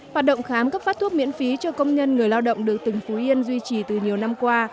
hoạt động khám cấp phát thuốc miễn phí cho công nhân người lao động được tỉnh phú yên duy trì từ nhiều năm qua